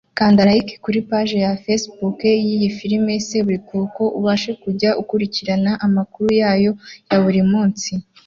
Kanda Like kuri paje ya Fecebook y’iyi filime Seburikoko ubashe kujya ukurikirana amakuru yayo ya buri munsi